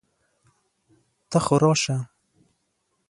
ته خو راسه!